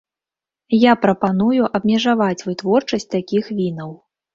Я прапаную абмежаваць вытворчасць такіх вінаў.